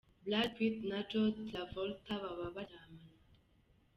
Brad Pitt na Joh Travolta baba baryamana.